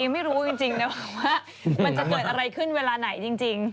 ไม่รู้จริงนะว่ามันจะเกิดอะไรขึ้นเวลาไหนจริง